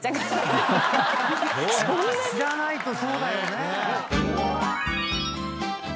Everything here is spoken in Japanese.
「知らないとそうだよね」